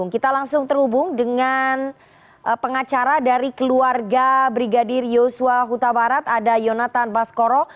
kita langsung terhubung dengan pengacara dari keluarga brigadir yosua huta barat ada yonatan baskoro